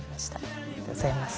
ありがとうございます。